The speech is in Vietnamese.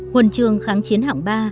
huân trường kháng chiến hạng ba